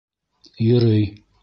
— Йөрөй.